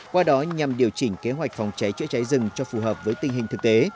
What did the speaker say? qua đó nhằm điều chỉnh kế hoạch phòng cháy chữa cháy rừng cho phù hợp với tình hình thực tế